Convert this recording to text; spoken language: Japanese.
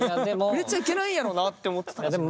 触れちゃいけないんやろうなって思ってた自分。